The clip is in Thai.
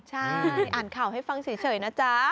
ใช่อ่านข่าวให้ฟังเฉยนะจ๊ะ